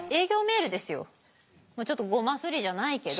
ちょっとゴマスリじゃないけど。